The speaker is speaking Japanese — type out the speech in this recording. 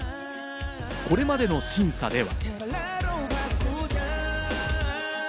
これまでの審査では。